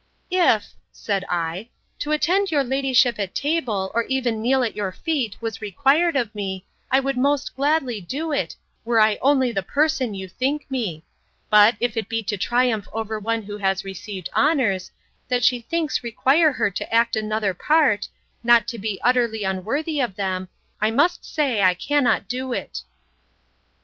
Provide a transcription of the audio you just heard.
—If, said I, to attend your ladyship at table, or even kneel at your feet, was required of me, I would most gladly do it, were I only the person you think me; but, if it be to triumph over one who has received honours, that she thinks require her to act another part, not to be utterly unworthy of them, I must say, I cannot do it.